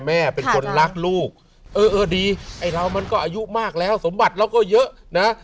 แม่เป็นคนรักลูกเออเออดีไอ้เรามันก็อายุมากแล้วสมบัติเราก็เยอะนะ